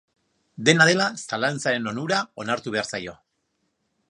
Dena dela, zalantzaren onura onartu behar zaio.